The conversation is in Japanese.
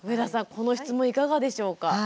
この質問いかがでしょうか？